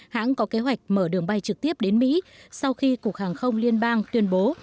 hãng có kế hoạch mở đường bay trực tiếp đến mỹ sau khi cục hàng không liên bang tuyên bố